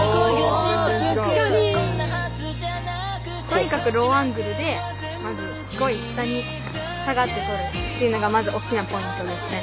とにかくローアングルでまずすごい下に下がって撮るっていうのがまず大きなポイントですね。